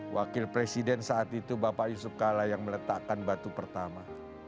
wakil presiden saat itu bapak yusuf kala yang meletakkan batu pertama